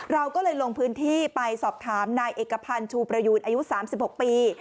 เราก็เลยลงพื้นที่ไปสอบถามนายเอกพันธ์ชูประยูนอายุ๓๖ปี